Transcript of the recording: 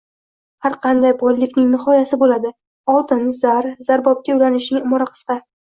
Har qanday boylikning nihoyasi bo‘ladi, oltin, zar, zarbobga, ulanishning umri qisqa